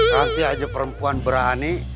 ranti aja perempuan berani